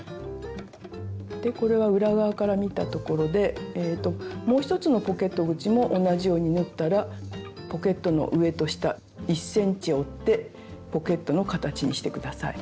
でこれは裏側から見たところでもう一つのポケット口も同じように縫ったらポケットの上と下１ｃｍ折ってポケットの形にして下さい。